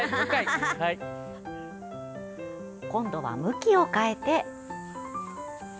今度は向きを変えて。